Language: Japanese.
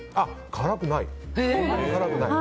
辛くない！